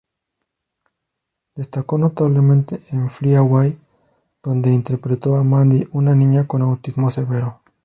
Destacó notablemente en "Fly Away", donde interpretó a Mandy, una niña con autismo severo.